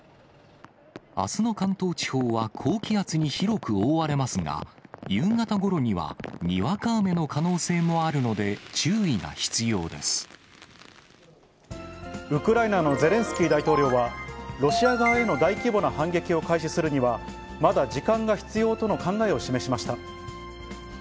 あすの関東地方は高気圧に広く覆われますが、夕方ごろにはにわか雨の可能性もあるので、ウクライナのゼレンスキー大統領は、ロシア側への大規模な反撃を開始するには、まだ時間が必要との考えを示しました。